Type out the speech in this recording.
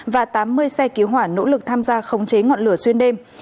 và tám mươi xe cứu hỏa nỗ lực tham gia khống chế ngọn lửa xuyên đêm